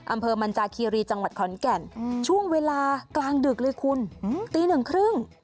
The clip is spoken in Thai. อำเภอมันจาคีรีจังหวัดขอนแก่นช่วงเวลากลางดึกเลยคุณตีหนึ่งครึ่ง